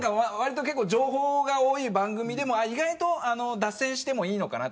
情報が多い番組でも意外と脱線してもいいのかな。